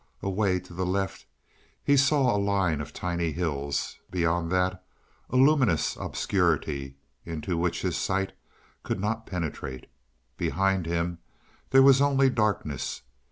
Away to the left he saw a line of tiny hills; beyond that a luminous obscurity into which his sight could not penetrate; behind him there was only darkness.